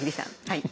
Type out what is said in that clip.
はい。